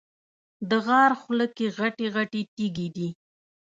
د غار خوله کې غټې غټې تیږې دي.